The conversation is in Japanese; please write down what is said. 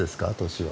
年は。